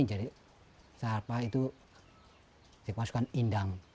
jadi harus masukkan indang